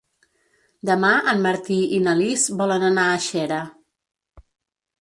Demà en Martí i na Lis volen anar a Xera.